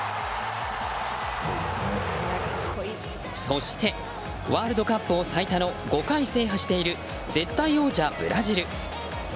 そしてワールドカップ最多の５回制覇している絶対王者ブラジル。